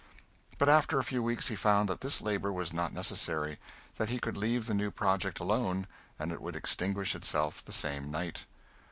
But after a few weeks he found that this labor was not necessary; that he could leave the new project alone and it would extinguish itself the same night.